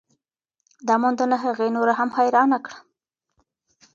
دا موندنه هغې نوره هم حیرانه کړه.